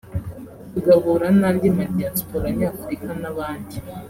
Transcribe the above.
tugahura n’andi ma Diaspora Nyafurika n’abandi